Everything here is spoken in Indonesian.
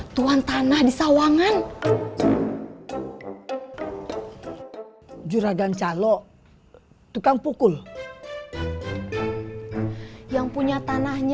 tuan tanah di sawangan juragan calo tukang pukul yang punya tanahnya